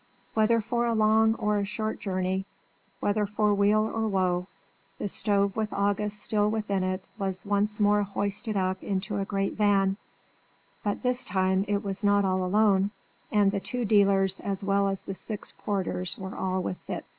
Whether for a long or a short journey, whether for weal or woe, the stove with August still within it was once more hoisted up into a great van; but this time it was not all alone, and the two dealers as well as the six porters were all with it.